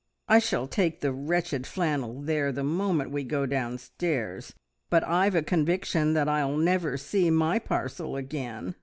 I shall take the wretched flannel there the moment we go downstairs, but I've a conviction that I'll never see my parcel again.